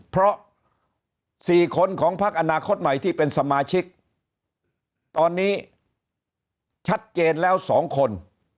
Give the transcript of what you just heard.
เพราะ๔คนของพักอนาคตใหม่ที่เป็นสมาชิกตอนนี้ชัดเจนแล้ว๒คน